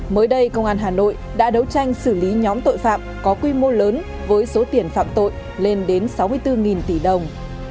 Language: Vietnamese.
mới đây công an hà nội đã đấu tranh xử lý nhóm tội phạm có quy mô lớn với số tiền phạm tội lên đến sáu mươi bốn tỷ đồng